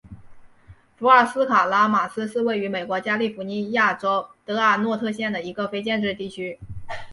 福尔斯卡拉马斯是位于美国加利福尼亚州德尔诺特县的一个非建制地区。